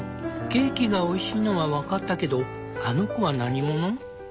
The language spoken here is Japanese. ケーキがおいしいのは分かったけどあの子は何者？